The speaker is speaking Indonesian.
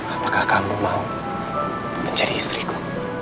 apakah kamu mau mencari istriku